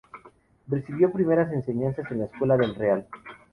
Recibió primeras enseñanzas en la Escuela del Real.